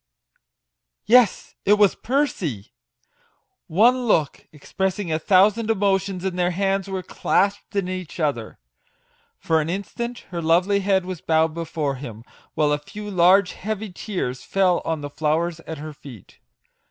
Yes, it was Percy ! One look, expressing a thousand emotions, and their hands were clasped in each other ! For an instant her lovely head was bowed before him, while a few large, heavy tears, fell on the flowers at her feet